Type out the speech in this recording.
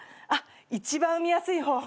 一番産みやすい方法。